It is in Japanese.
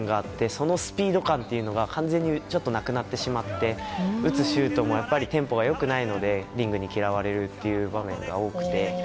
そのスピード感っていうのが完全になくなってしまって打つシュートもテンポが良くないのでリングに嫌われる場面が多くて。